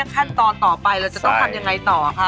ขั้นตอนต่อไปเราจะต้องทำยังไงต่อคะ